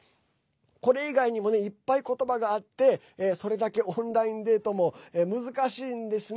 これ以外にもねいっぱい言葉があってそれだけ、オンラインデートも難しいんですね。